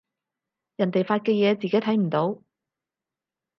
人哋發嘅嘢自己睇唔到